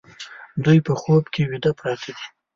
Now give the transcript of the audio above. دوی په خوب ویده پراته دي